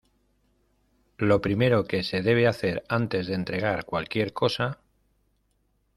lo primero que se debe hacer antes de entregar cualquier cosa